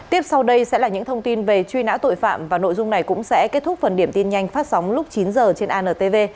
tiếp sau đây sẽ là những thông tin về truy nã tội phạm và nội dung này cũng sẽ kết thúc phần điểm tin nhanh phát sóng lúc chín h trên antv